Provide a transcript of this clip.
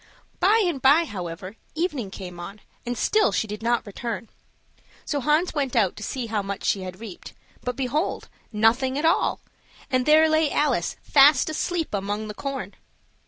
By and by, however, evening came on, and still she did not return; so Hans went out to see how much she had reaped; but, behold, nothing at all, and there lay Alice fast asleep among the corn!